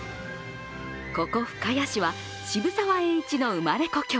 ここ深谷市は渋沢栄一の生まれ故郷。